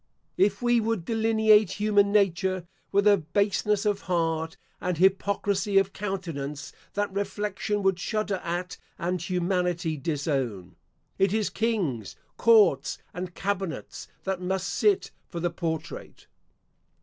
If we would delineate human nature with a baseness of heart and hypocrisy of countenance that reflection would shudder at and humanity disown, it is kings, courts and cabinets that must sit for the portrait.